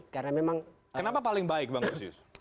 kenapa paling baik bang kursius